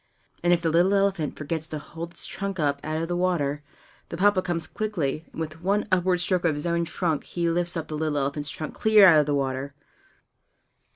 And if the little elephant forgets to hold up its trunk out of the water, the Papa comes quickly, and with one upward stroke of his own trunk he lifts up the little elephant's trunk clear out of the water.